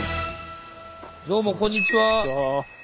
どうもこんにちは。